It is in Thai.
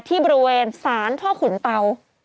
ที่บริเวณศาลพ่อขุนเตา